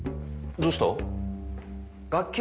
どうした？